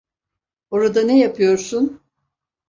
Orada ne yapıyorsun?